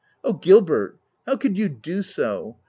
u Oh, Gilbert, how could you do so